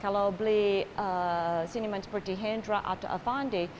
kalau beli seni seperti hendra atau avandi